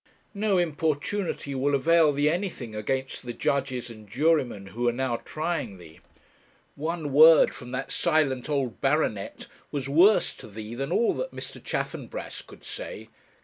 No importunity will avail thee anything against the judges and jurymen who are now trying thee. One word from that silent old baronet was worse to thee than all that Mr. Chaffanbrass could say.